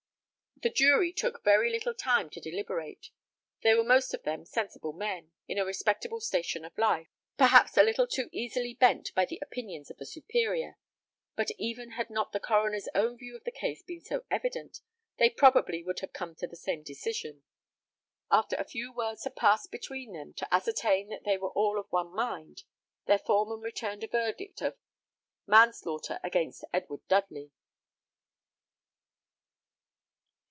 The jury took very little time to deliberate. They were most of them sensible men, in a respectable station of life, perhaps a little too easily bent by the opinions of a superior; but even had not the coroner's own view of the case been so evident, they probably would have come to the same decision. After a few words had passed between them, to ascertain that they were all of one mind, their foreman returned a verdict of "Manslaughter against Edward Dudley."